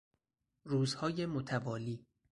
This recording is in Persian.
روزهای متوالی